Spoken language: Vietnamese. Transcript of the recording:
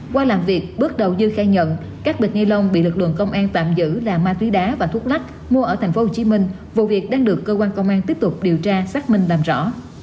qua làm việc bước đầu dư khai nhận các bịch ni lông bị lực lượng công an tạm giữ là ma túy đá và thuốc lách mua ở tp hcm vụ việc đang được cơ quan công an tiếp tục điều tra xác minh làm rõ